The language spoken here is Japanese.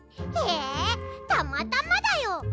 えたまたまだよ。